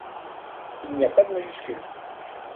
Il n'y a pas de majuscules.